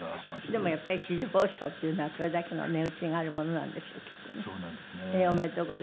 でもやっぱり紫綬褒章っていうのはそれだけの値打ちがあるものなんでしょうきっとね。